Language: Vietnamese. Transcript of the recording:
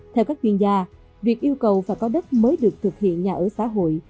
theo các chuyên gia việc yêu cầu và có đất mới được thực hiện nhà ở xã hội